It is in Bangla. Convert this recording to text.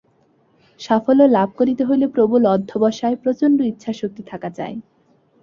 সাফল্য লাভ করিতে হইলে প্রবল অধ্যবসায়, প্রচণ্ড ইচ্ছাশক্তি থাকা চাই।